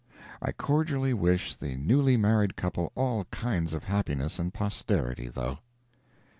I cordially wish the newly married couple all kinds of happiness and posterity, though.